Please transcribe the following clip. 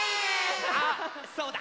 あそうだ！